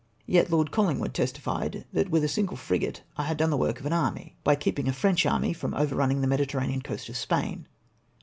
Yet Lord Collino'wood testified that witli a sino le frio; ate I had done the work of an army, by keeping a French army INCOMPLETE TO THIS DAY. 399 from overrunning the Mediterranean coast of Spain.